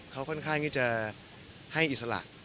เขาค่อนข้างที่จะให้อิสระ